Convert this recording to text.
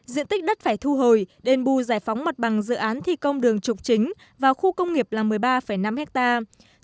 diện tích đất phải thu hồi đền bù giải phóng mặt bằng dự án thi công đường trục chính và khu công nghiệp là một mươi ba năm hectare